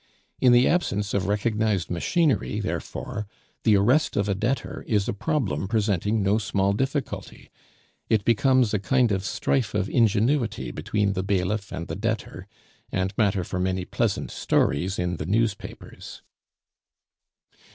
In the absence of recognized machinery, therefore, the arrest of a debtor is a problem presenting no small difficulty; it becomes a kind of strife of ingenuity between the bailiff and the debtor, and matter for many pleasant stories in the newspapers.